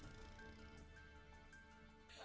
kayak si keju